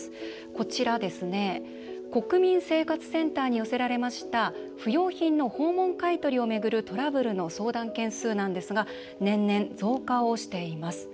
こちら国民生活センターに寄せられました不用品の訪問買い取りを巡るトラブルの相談件数なんですが年々、増加をしています。